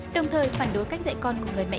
đồng thời phản đối cách dạy con của người mẹ trẻ này